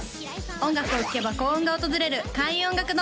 音楽を聴けば幸運が訪れる開運音楽堂